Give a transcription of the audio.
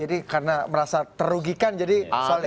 jadi karena merasa terugikan jadi solid